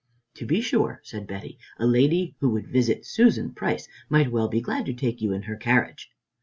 "To be sure," said Betty, "a lady who would visit Susan Price might well be glad to take you in her carriage."